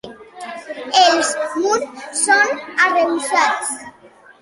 Els murs són arrebossats.